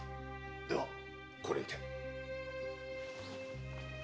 ではこれにて。